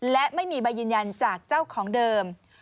และไม่มีใบยืนยันจากเจ้าของเดิม